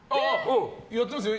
やってますよ。